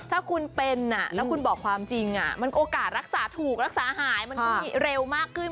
ถ้าคุณเป็นแล้วคุณบอกความจริงมันโอกาสรักษาถูกรักษาหายมันก็มีเร็วมากขึ้น